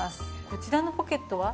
こちらのポケットは。